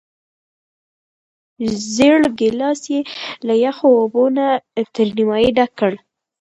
زېړ ګیلاس یې له یخو اوبو نه تر نیمايي ډک کړ.